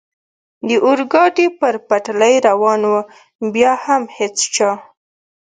د اورګاډي پر پټلۍ روان و، بیا هم هېڅ چا.